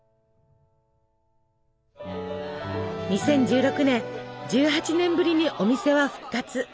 ２０１６年１８年ぶりにお店は復活。